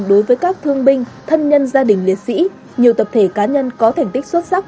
đối với các thương binh thân nhân gia đình liệt sĩ nhiều tập thể cá nhân có thành tích xuất sắc